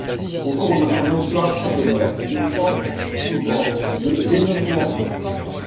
Au cours de son histoire centenaire, il change souvent de dénomination.